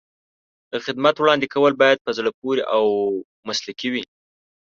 د خدمت وړاندې کول باید په زړه پورې او مسلکي وي.